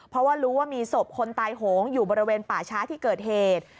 เพราะว่ารู้ว่ามีศพคนตายโหงอยู่บริเวณป่าช้าที่เกิดเหตุ